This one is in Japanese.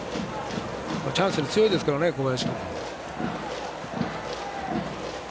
チャンスに強いですからね、小林。